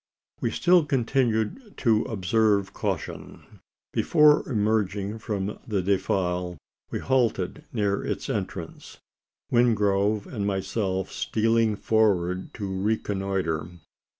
We still continued to observe caution. Before emerging from the defile, we halted near its entrance Wingrove and myself stealing forward to reconnoitre.